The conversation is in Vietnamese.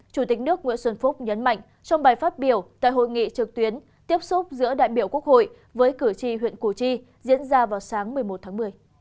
chủ tịch nước nguyễn xuân phúc nhấn mạnh trong bài phát biểu tại hội nghị trực tuyến tiếp xúc giữa đại biểu quốc hội với cử tri huyện củ chi diễn ra vào sáng một mươi một tháng một mươi